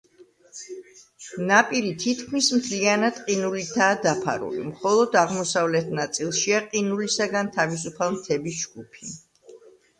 ნაპირი თითქმის მთლიანად ყინულითაა დაფარული, მხოლოდ აღმოსავლეთ ნაწილშია ყინულისაგან თავისუფალი მთების ჯგუფი.